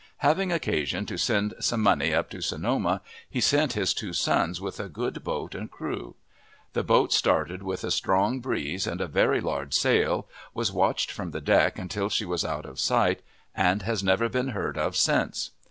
Having occasion to send some money up to Sonoma, he sent his two sons with a good boat and crew. The boat started with a strong breeze and a very large sail, was watched from the deck until she was out of sight, and has never been heard of since.